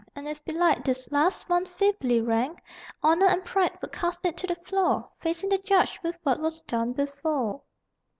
And if belike this last one feebly rang, Honor and pride would cast it to the floor Facing the judge with what was done before.